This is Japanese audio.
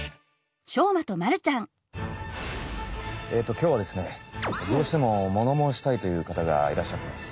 きょうはですねどうしてもものもうしたいというかたがいらっしゃってます。